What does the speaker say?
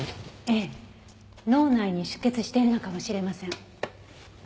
ええ脳内に出血しているのかもしれません。